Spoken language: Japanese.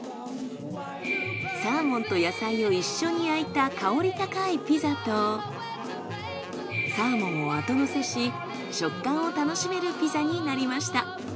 サーモンと野菜を一緒に焼いた香り高いピザとサーモンを後乗せし食感を楽しめるピザになりました。